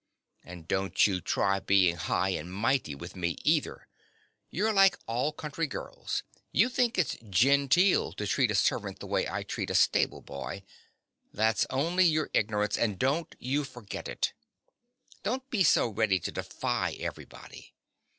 And don't you try being high and mighty with me either. You're like all country girls: you think it's genteel to treat a servant the way I treat a stable boy. That's only your ignorance; and don't you forget it. And don't be so ready to defy everybody.